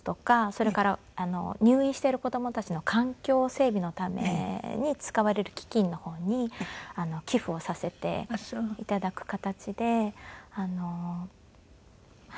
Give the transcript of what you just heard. それから入院している子供たちの環境整備のために使われる基金の方に寄付をさせて頂く形ではい。